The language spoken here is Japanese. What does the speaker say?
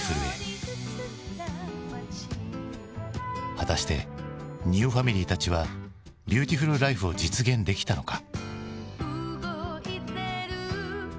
果たしてニューファミリーたちはビューティフルライフを実現できたのか？